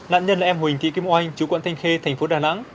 nạn nhân là em huỳnh thị kim oanh chú quận thanh khê tp đà nẵng